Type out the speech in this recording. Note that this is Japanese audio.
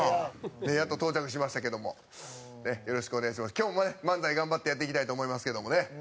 今日もね、漫才頑張ってやっていきたいと思いますけどもね。